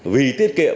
vì tiết kiệm